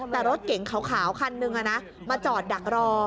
แต่รถเก๋งขาวคันนึงมาจอดดักรอ